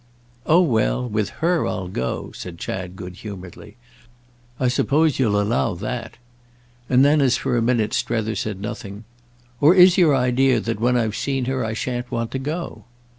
"Oh well, with her I'll go," said Chad good humouredly. "I suppose you'll allow that." And then as for a minute Strether said nothing: "Or is your idea that when I've seen her I shan't want to go?"